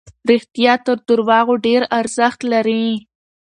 رښتیا تر درواغو ډېر ارزښت لري.